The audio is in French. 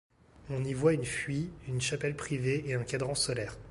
On y voit une fuie, une chapelle privée et un cadran solaire.